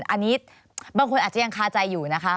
อันนี้บางคนอาจจะยังคาใจอยู่นะคะ